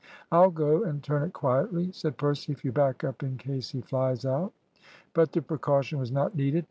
"I'll go and turn it quietly," said Percy, "if you back up in case he flies out." But the precaution was not needed.